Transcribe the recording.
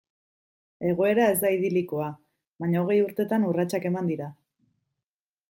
Egoera ez da idilikoa, baina hogei urtetan urratsak eman dira.